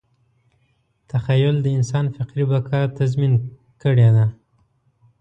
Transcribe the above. تخیل د انسان فکري بقا تضمین کړې ده.